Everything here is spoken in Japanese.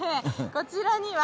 こちらには。